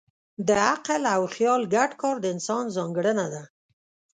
د عقل او خیال ګډ کار د انسان ځانګړنه ده.